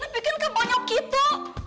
tapi kan kebanyakan itu